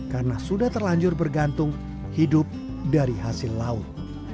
karena sudah terlanjur bergantung hidup dari hasil laut